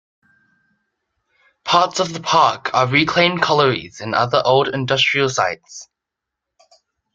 Parts of the park are reclaimed collieries and other old industrial sites.